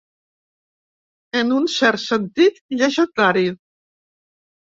En un cert sentit, llegendari.